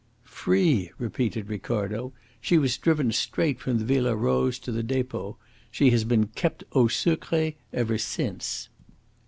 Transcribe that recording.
"Free!" repeated Ricardo. "She was driven straight from the Villa Rose to the depot. She has been kept AU SECRET ever since."